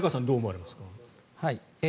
どう思われますか。